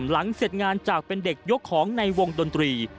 หลังเสร็จงานจากเป็นเด็กยกของในวงดนตรี